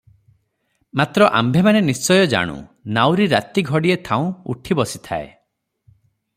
ମାତ୍ର ଆମ୍ଭମାନେ ନିଶ୍ଚୟ ଜାଣୁ, ନାଉରି ରାତି ଘଡ଼ିଏ ଥାଉଁ ଉଠି ବସିଥାଏ ।